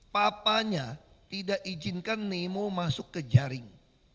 papanya tidak izinkan nemo masuk ke jaring